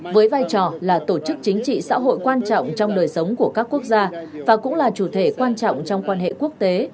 với vai trò là tổ chức chính trị xã hội quan trọng trong đời sống của các quốc gia và cũng là chủ thể quan trọng trong quan hệ quốc tế